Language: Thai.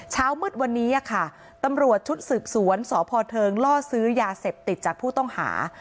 เช้ามืดวันนี้ค่ะตำรวจชุดสืบสวนสพเทิงล่อซื้อยาเสพติดจากผู้ต้องหา